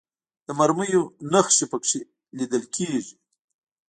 د مرمیو نښې په کې لیدل کېږي.